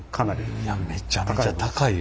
いやめちゃめちゃ高いよ